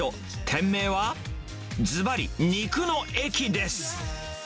店名は、ずばり、肉の駅です。